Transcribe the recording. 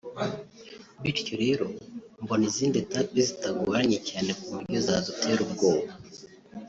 bityo rero mbona izindi Etape zitagoranye cyane ku buryo zadutera ubwoba”